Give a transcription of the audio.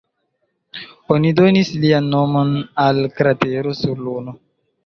Oni donis lian nomon al kratero sur Luno.